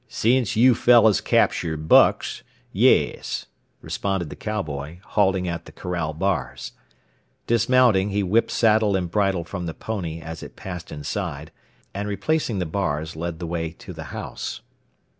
"Since you fellows captured Bucks yes," responded the cowboy, halting at the corral bars. Dismounting, he whipped saddle and bridle from the pony as it passed inside, and replacing the bars, led the way to the house.